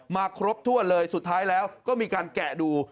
ครบถ้วนเลยสุดท้ายแล้วก็มีการแกะดู